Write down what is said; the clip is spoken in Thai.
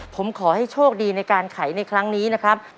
ผมขอให้โชคดีในการไขในครั้งนี้นะครับ